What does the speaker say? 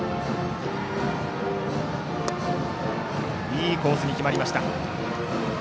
いいコースに決まりました。